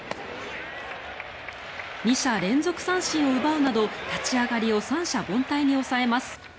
２者連続三振を奪うなど立ち上がりを三者凡退に抑えます。